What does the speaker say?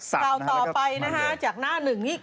สาวต่อไปนะฮะหลังจากหน้าหนึ่งนี่